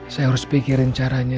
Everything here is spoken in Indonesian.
saya harus pikirin caranya